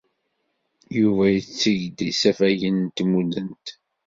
Yuba yetteg-d isafagen n tmudemt.